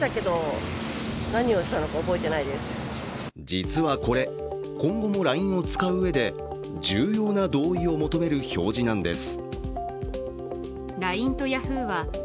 実はこれ、今後もＬＩＮＥを使ううえで重要な同意を求める表示なんです。